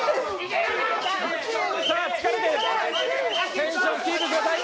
テンションキープしてください。